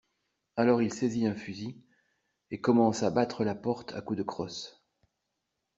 Alors il saisit un fusil et commence à battre la porte à coups de crosse.